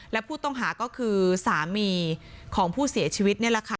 และผู้ต้องหาก็คือสามีของผู้เสียชีวิตนี่แหละค่ะ